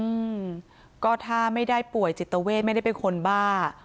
อืมก็ถ้าไม่ได้ป่วยจิตเวทไม่ได้เป็นคนบ้า